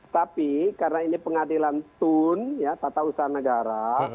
tapi karena ini pengadilan tun tata usaha negara